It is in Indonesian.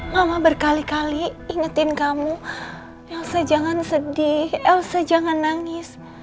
mama berkali kali ingetin kamu elsa jangan sedih elsa jangan nangis